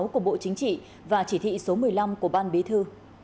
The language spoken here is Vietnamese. của bộ chính trị và chỉ thị số một mươi năm của ban bí thư